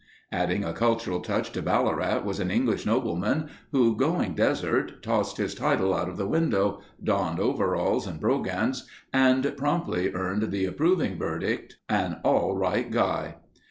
Adding a cultural touch to Ballarat was an English nobleman who "going desert" tossed his title out of the window, donned overalls and brogans and promptly earned the approving verdict, "An all right guy."